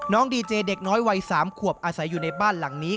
ดีเจเด็กน้อยวัย๓ขวบอาศัยอยู่ในบ้านหลังนี้